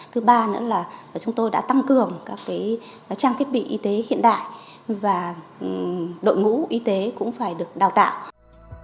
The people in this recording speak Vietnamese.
thứ ba nữa là chúng tôi đã tăng cường các trang thiết bị y tế hiện đại và đội ngũ y tế cũng phải được đào tạo